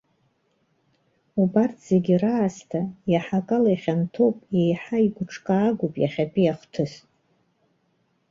Убарҭ зегьы раасҭа еиҳа акала ихьанҭоуп, еиҳа игәыҿкаагоуп иахьатәи ахҭыс.